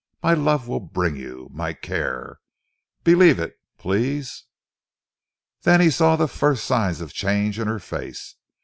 My love will bring you. My care. Believe it, please!" Then he saw the first signs of change in her face.